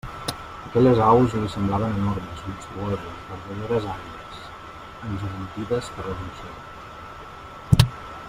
Aquelles aus li semblaven enormes, monstruoses, verdaderes àguiles, engegantides per l'emoció.